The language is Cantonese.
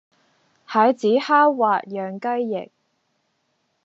蟹籽蝦滑釀雞翼